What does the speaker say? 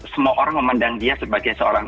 semua orang memandang dia sebagai seorang